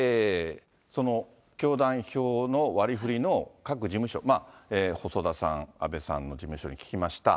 教団票の割りふりの各事務所、細田さん、安倍さんの事務所に聞きました。